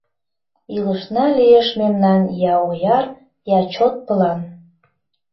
Илышна лиеш мемнан Я ояр, я чот пылан…